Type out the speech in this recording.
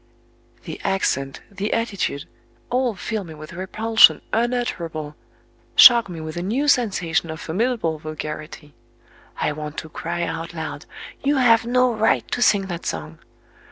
The accent, the attitude, the voice, all fill me with repulsion unutterable,—shock me with a new sensation of formidable vulgarity. I want to cry out loud, "You have no right to sing that song!"